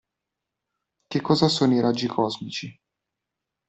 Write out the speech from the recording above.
Che cosa sono i raggi cosmici?